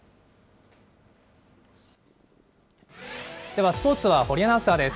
ではスポーツは堀アナウンサーです。